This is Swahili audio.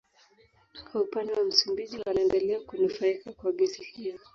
Kwa upande wa Msumbiji wanaendelea kunufaika kwa gesi hiyo